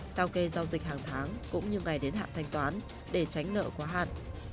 sao kê giao dịch hàng tháng cũng như ngày đến hạm thanh toán để tránh nợ quá hạn